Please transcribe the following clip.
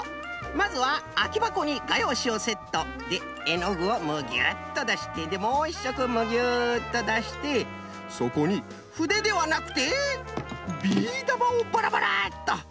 まずはあきばこにがようしをセット。でえのぐをむぎゅっとだしてでもう１しょくむぎゅっとだしてそこにふでではなくてビー玉をバラバラッと。